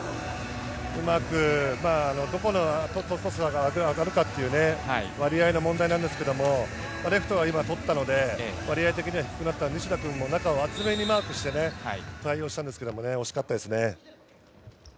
うまくトスが上がるかという割合の問題なんですけれども、レフトが今、取ったので割合的には低くなったので西田君も中は厚めにマークして、対応したんですけれども惜しかったですね。